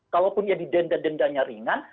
kalaupun ia didenda dendanya ringan